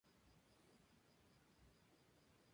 El director creativo del sitio es John Noe.